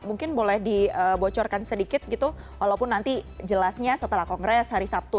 mungkin boleh dibocorkan sedikit gitu walaupun nanti jelasnya setelah kongres hari sabtu